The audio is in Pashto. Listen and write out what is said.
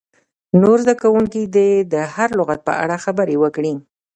نور زده کوونکي دې د هر لغت په اړه خبرې وکړي.